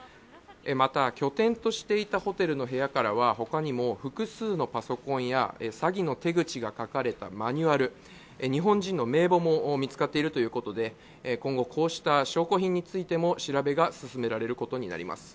また、拠点としていたホテルの部屋からは他にも複数のパソコンや詐欺の手口が書かれたマニュアル日本人の名簿も見つかっているということで今後、こうした証拠品についても調べが進められることになります。